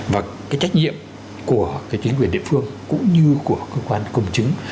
và cái trách nhiệm của chính quyền địa phương cũng như của cơ quan công chứng